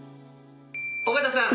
尾形さん